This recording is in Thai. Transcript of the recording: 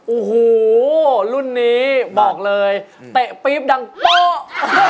โอ้โหรุ่นนี้บอกเลยเตะปี๊บดังโป๊ะ